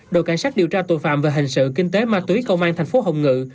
đội cảnh sát điều tra tội phạm về hình sự kinh tế ma túy công an thành phố hồng ngự